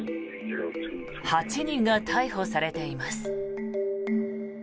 ８人が逮捕されています。